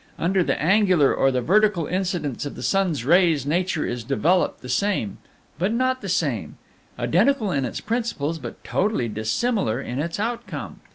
Under the angular or the vertical incidence of the sun's rays nature is developed the same, but not the same; identical in its principles, but totally dissimilar in its outcome.